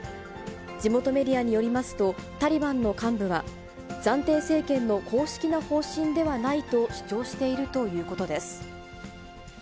地元メディアによりますと、タリバンの幹部は、暫定政権の公式な方針ではないと主張しているということです。